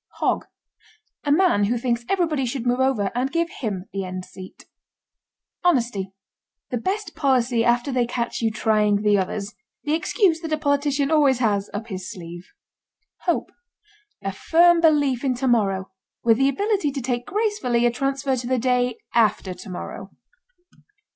HOG. A man who thinks everybody should move over and give him the end seat. HONESTY. The best policy after they catch you trying the others. The excuse that a politician always has up his sleeve. HOPE. A firm belief in to morrow with the ability to take gracefully a transfer to the day after to morrow.